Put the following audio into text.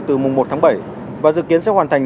từ mùng một tháng bảy và dự kiến sẽ hoàn thành